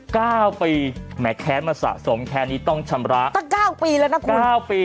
ก้าวปีแม่แค้นมาสะสมแค้นนี่ต้องชำระตั้งก้าวปีเลยนะคุณ